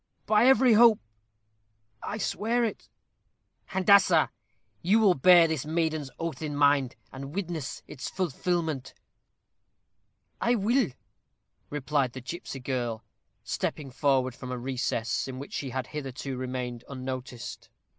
"By every hope, I swear it." "Handassah, you will bear this maiden's oath in mind, and witness its fulfilment." "I will," replied the gipsy girl, stepping forward from a recess, in which she had hitherto remained unnoticed.